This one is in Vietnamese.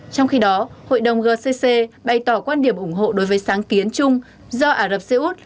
trong khi đó hội đồng gcc bày tỏ quan điểm ủng hộ đối với sáng kiến chung do ả rập xê út